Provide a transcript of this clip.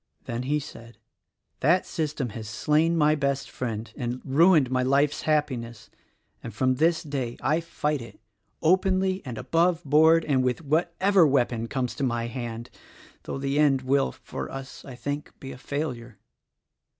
Then he said, "That system has slain my best friend and ruined my life's happiness, and from this day I fight it, openly and above board and with whatever weapon comes to my hand; though the end will, for us, I think, be failure."